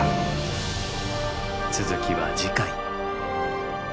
続きは次回。